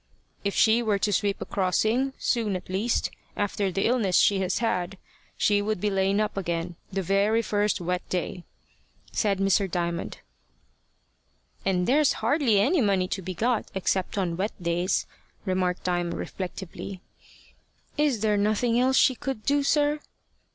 "If she were to sweep a crossing soon at least after the illness she has had, she would be laid up again the very first wet day," said Mr. Raymond. "And there's hardly any money to be got except on the wet days," remarked Diamond reflectively. "Is there nothing else she could do, sir?"